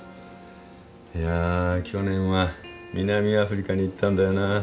いや去年は南アフリカに行ったんだよな。